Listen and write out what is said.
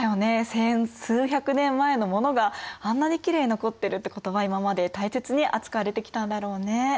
千数百年前のものがあんなにきれいに残ってるってことは今まで大切に扱われてきたんだろうね。